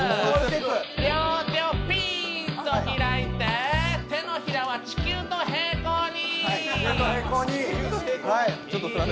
両手をぴーんと開いて、手のひらは地球と平行に。